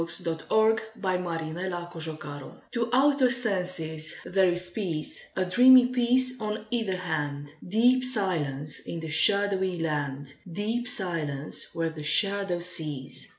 fi4S] II LA FUITE DE LA LUNE TO outer senses there is peace, A dreamy peace on either hand, Deep silence in the shadowy land, Deep silence where the shadows cease.